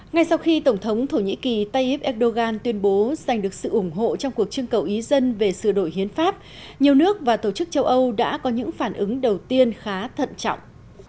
ngay sau khi tổng thống thổ nhĩ kỳ tayyip erdogan tuyên bố giành được sự ủng hộ trong cuộc trưng cầu ý dân về sửa đổi hiến pháp nhiều nước và tổ chức châu âu đã có những phản ứng đầu tiên khá thận trọng